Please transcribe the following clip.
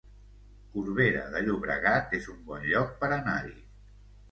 Corbera de Llobregat es un bon lloc per anar-hi